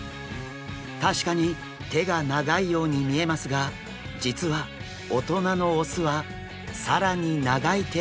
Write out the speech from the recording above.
確かに手が長いように見えますが実は大人の雄は更に長い手を持っているんです。